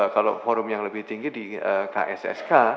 kalau forum yang lebih tinggi di kssk